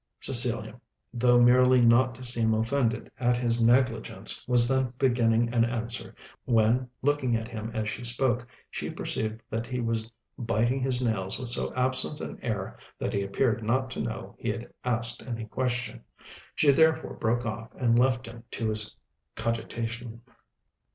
Cecilia, though merely not to seem offended at his negligence, was then beginning an answer, when looking at him as she spoke, she perceived that he was biting his nails with so absent an air that he appeared not to know he had asked any question. She therefore broke off, and left him to his cogitation.